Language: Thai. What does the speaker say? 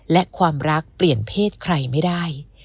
และความรักเปลี่ยนเพศใครไม่ได้